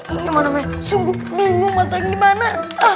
ini menemui sungguh bingung masa ini mana